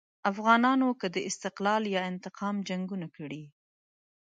افغانانو که د استقلال یا انتقام جنګونه کړي.